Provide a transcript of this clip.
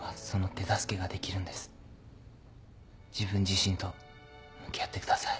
自分自身と向き合ってください。